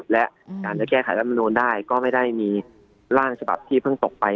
และการจะแก้ไขรัฐมนูลได้ก็ไม่ได้มีร่างฉบับที่เพิ่งตกไป